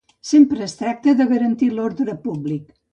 Sempre es tracta de garantir l’ordre públic.